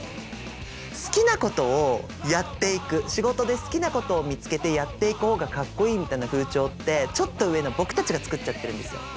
好きなことをやっていく仕事で好きなことを見つけてやっていく方がかっこいいみたいな風潮ってちょっと上の僕たちがつくっちゃってるんですよ。